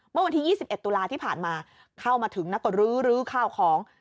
เมื่อวันที่๒๑ตุลาที่ผ่านมาเข้ามาถึงนะก็ลื้อข้าวของ